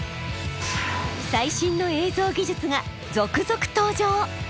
最新の映像技術が続々登場。